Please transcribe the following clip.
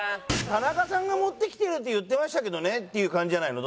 「田中さんが“持ってきてる”って言ってましたけどね」っていう感じじゃないの？